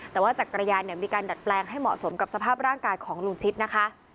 แต่ว่าจักรยานเนี่ยมีการดัดแปลงให้เหมาะสมกับสภาพร่างกายของลุงชิดนะคะ